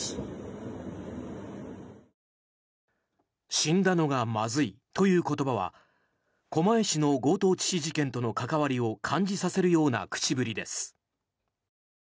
死んだのがまずいという言葉は狛江市の強盗致死事件との関わりを感じさせるような口ぶりです。